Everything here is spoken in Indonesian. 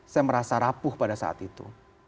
saya merasa rapuh pada saat itu